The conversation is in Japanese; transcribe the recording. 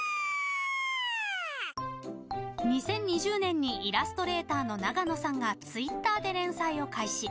２０２０年にイラストレーターのナガノさんがＴｗｉｔｔｅｒで連載を開始。